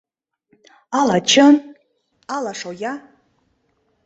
Ала чын, ала шоя.